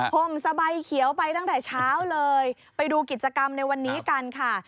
ห่มสบายเขียวไปตั้งแต่เช้าเลยไปดูกิจกรรมในวันนี้กันค่ะ